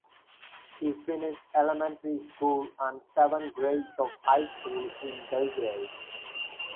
He finished elementary school and seven grades of high school in Belgrade.